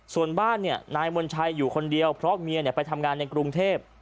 ส่วนบ้านนายมณชัยอยู่คนเดียวเพราะเมียไปทำงานในกรุงเทพ